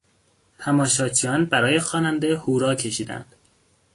تماشاچیان برای خواننده هورا کشیدند.